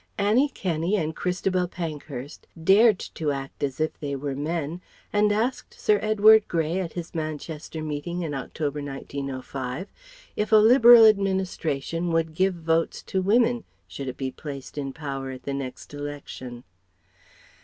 Annie Kenney and Christabel Pankhurst dared to act as if they were men, and asked Sir Edward Grey at his Manchester meeting in October, 1905, if a Liberal Administration would give Votes to Women, should it be placed in power at the next Election.